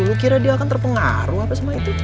lo kira dia akan terpengaruh apa sama itu